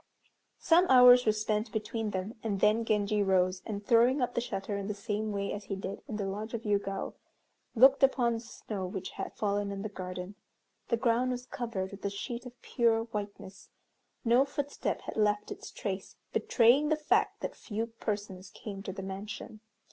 Some hours were spent between them, and then Genji rose, and throwing up the shutter in the same way as he did in the lodge of Yûgao, looked upon the snow which had fallen in the garden. The ground was covered with a sheet of pure whiteness; no footstep had left its trace, betraying the fact that few persons came to the mansion.